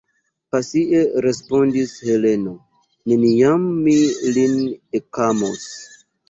pasie respondis Heleno: neniam mi lin ekamos.